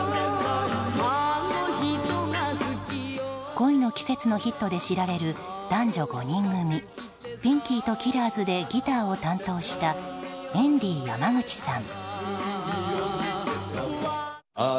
「恋の季節」のヒットで知られる男女５人組ピンキーとキラーズでギターを担当したエンディ山口さん。